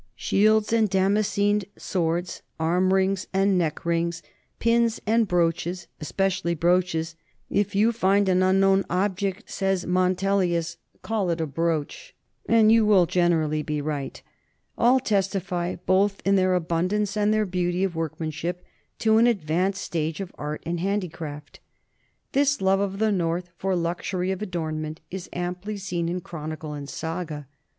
Shields and damascened swords, arm rings and neck rings, pins and brooches especially brooches, if you find an unknown object, says Montelius, call it a brooch and you will generally be right all testify, both in their abundance and their beauty of workmanship, to an advanced stage of art and handicraft. This love of the north for luxury of adornment is amply seen in chronicle and saga.